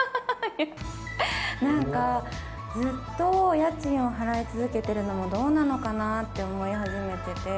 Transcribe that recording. なんか、ずっと家賃を払い続けてるのもどうなのかなって思い始めてて。